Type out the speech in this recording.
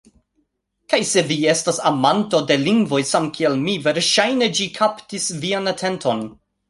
Kaj se vi estas amanto de lingvoj samkiel mi verŝajne ĝi kaptis vian atenton